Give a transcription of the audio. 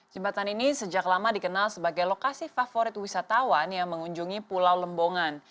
jembatan ini sejak lama dikenal sebagai lokasi favorit wisatawan yang mengunjungi pulau lembongan